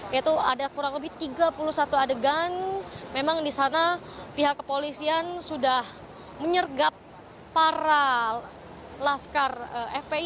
yaitu ada kurang lebih tiga puluh satu adegan memang di sana pihak kepolisian sudah menyergap para laskar fpi